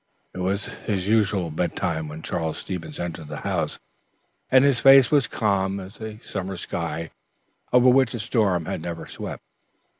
It was his usual bedtime when Charles Stevens entered the house, and his face was calm as a summer sky over which a storm had never swept.